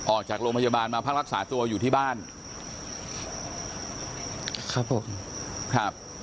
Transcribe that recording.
ออกจากโรงพยาบาลมาพักรักษาตัวอยู่ที่บ้านครับผมครับ